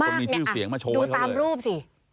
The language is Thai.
มากเนี่ยอ่ะดูตามรูปสิ